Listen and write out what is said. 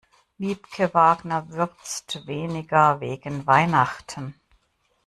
Wiebke Wagner würzt weniger wegen Weihnachten.